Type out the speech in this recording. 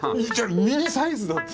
ミニサイズだって！